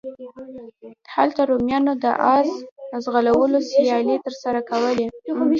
هلته رومیانو د اس ځغلولو سیالۍ ترسره کولې.